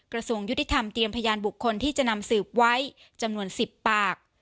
กระทรวงยุติธรรมเตรียมพยานบุคคลที่จะนำสืบไว้จำนวน๑๐ปาก